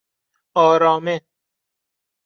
آرامه